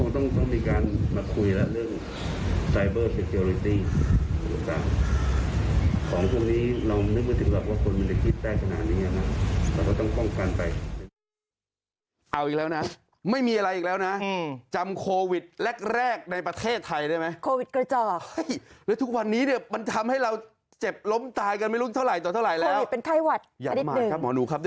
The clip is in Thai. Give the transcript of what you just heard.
ท่านอันตุธินชาญวิรากูลก็เลยมอบหมายถึงที่สุด